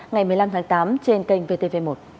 ngày một mươi năm tháng tám trên kênh vtv một